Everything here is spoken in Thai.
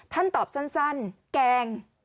ท่านตอบสั้นแกง